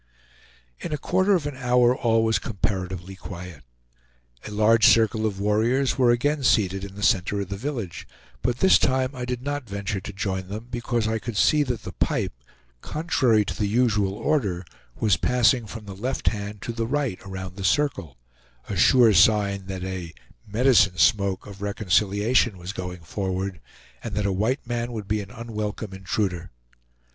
In a quarter of an hour all was comparatively quiet. A large circle of warriors were again seated in the center of the village, but this time I did not venture to join them, because I could see that the pipe, contrary to the usual order, was passing from the left hand to the right around the circle, a sure sign that a "medicine smoke" of reconciliation was going forward, and that a white man would be an unwelcome intruder.